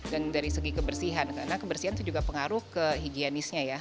dan dari segi kebersihan karena kebersihan itu juga pengaruh ke higienisnya ya